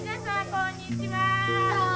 こんにちは。